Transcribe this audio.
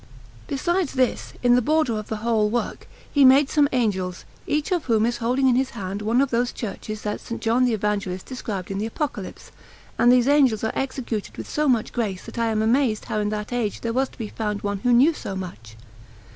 Besides this, in the border of the whole work, he made some angels, each of whom is holding in his hand one of those Churches that S. John the Evangelist described in the Apocalypse; and these angels are executed with so much grace that I am amazed how in that age there was to be found one who knew so much.